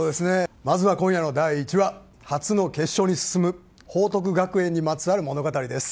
まずは今夜の第１話、初の決勝に進む、報徳学園にまつわる物語です。